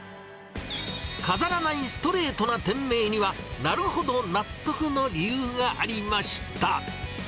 飾らないストレートな店名には、なるほど、納得の理由がありました。